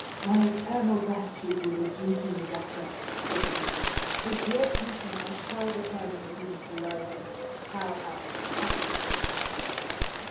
"My eternal gratitude will be due to you, doctor," said the nobleman. "With your permission I shall return in the evening to learn from you how your charming patient progresses."